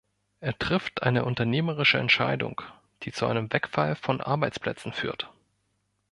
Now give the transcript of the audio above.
Er trifft eine unternehmerische Entscheidung, die zu einem Wegfall von Arbeitsplätzen führt.